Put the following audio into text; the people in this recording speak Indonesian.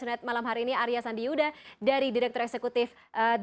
selamat malam hari ini arya sandi yuda dari direktur eksekutif the international